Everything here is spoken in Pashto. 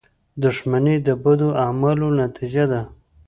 • دښمني د بدو اعمالو نتیجه ده.